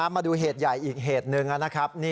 มาดูเหตุใหญ่อีกเหตุหนึ่งนะครับ